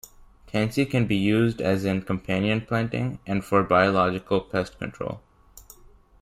Tansy can be used as in companion planting and for biological pest control.